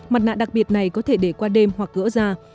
mặt nạ đặc biệt này có thể để qua đêm hoặc gỡ ra